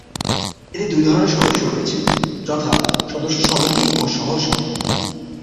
এতে দুই ধরনের সদস্য রয়েছে, যথা: সদস্য সমিতি ও শহর সমিতি।